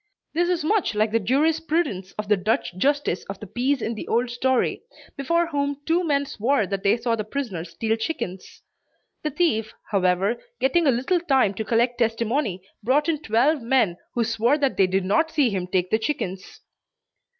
This is much like the jurisprudence of the Dutch justice of the peace in the old story, before whom two men swore that they saw the prisoner steal chickens. The thief however, getting a little time to collect testimony, brought in twelve men who swore that they did not see him take the chickens.